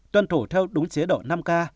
tuân thủ theo đúng chế độ năm k